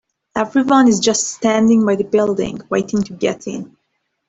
Everyone is just standing by the building, waiting to get in.